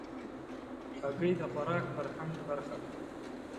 هګۍ د خوراک فرهنګ برخه ده.